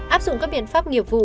áp dụng các biện pháp nghiệp vụ